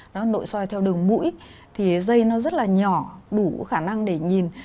nó nội soi theo đường mũi thì dây nó rất là nhỏ đủ khả năng để nhìn